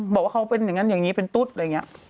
บอกว่าเขาเป็นอย่างนั้นอย่างนี้เป็นตุ๊ดอะไรอย่างนี้